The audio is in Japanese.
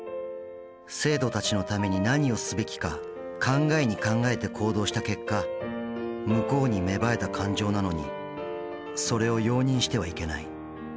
生徒たちのために何をすべきか考えに考えて行動した結果向こうに芽生えた感情なのにそれを容認してはいけない。